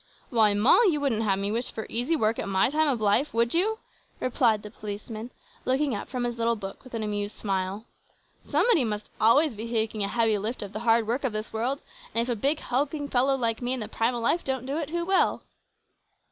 "Why, Moll, you wouldn't have me wish for easy work at my time of life, would you?" replied the policeman, looking up from his little book with an amused smile. "Somebody must always be taking a heavy lift of the hard work of this world, and if a big hulking fellow like me in the prime o' life don't do it, who will?"